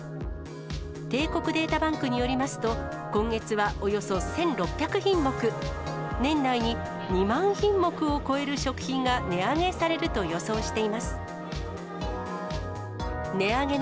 帝国データバンクによりますと、今月はおよそ１６００品目、年内に２万品目を超える食品が値上げされると予想しています。